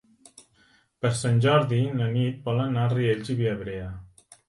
Per Sant Jordi na Nit vol anar a Riells i Viabrea.